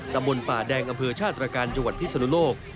ตำบลป่าแดงอำเภอชาติตรการจังหวัดพิศนุโลก